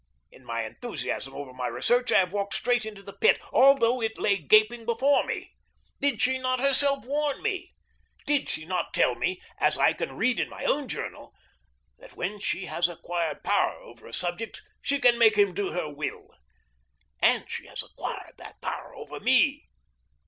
In my enthusiasm over my research I have walked straight into the pit, although it lay gaping before me. Did she not herself warn me? Did she not tell me, as I can read in my own journal, that when she has acquired power over a subject she can make him do her will? And she has acquired that power over me.